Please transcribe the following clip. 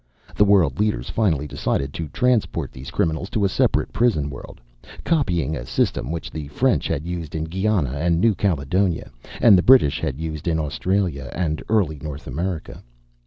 The world leaders finally decided to transport these criminals to a separate prison world, copying a system which the French had used in Guiana and New Caledonia, and the British had used in Australia and early North America.